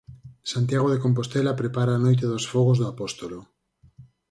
Santiago de Compostela prepara a noite dos Fogos do Apóstolo.